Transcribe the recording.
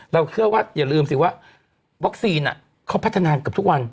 เชื่อว่าอย่าลืมสิว่าวัคซีนเขาพัฒนาเกือบทุกวัน